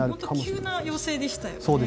急な要請でしたよね。